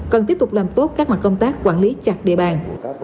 cần tiếp tục làm tốt các mặt công tác quản lý chặt địa bàn